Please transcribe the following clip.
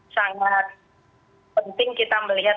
sangat penting kita melihat